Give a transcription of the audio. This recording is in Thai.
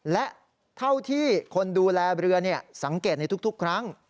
และเท่าที่คนดูแลเรือสังเกตในทุกครั้ง